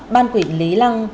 ban quỷ lý lăng